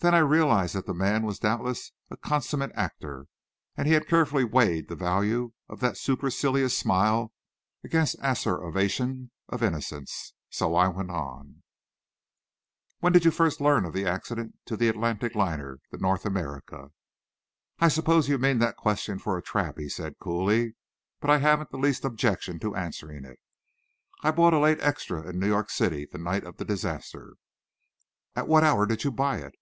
Then I realized that the man was doubtless a consummate actor, and he had carefully weighed the value of that supercilious smile against asseverations of innocence. So I went on: "When did you first learn of the accident to the Atlantic liner, the North America?" "I suppose you mean that question for a trap," he said coolly; "but I haven't the least objection to answering it. I bought a late 'extra' in New York City the night of the disaster." "At what hour did you buy it?"